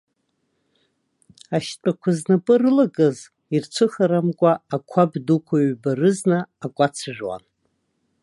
Ашьтәақәа знапы рылакыз ирцәыхарамкәа ақәаб дуқәа ҩба рызна акәац жәуан.